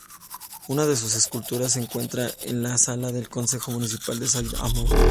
Una de sus esculturas se encuentra en la sala del concejo municipal de Saint-Amour.